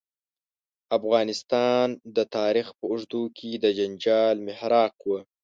افغانستان د تاریخ په اوږدو کې د جنجال محراق و.